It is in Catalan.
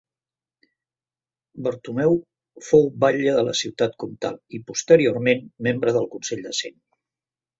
Bartomeu fou batlle de la ciutat comtal i, posteriorment, membre del Consell de Cent.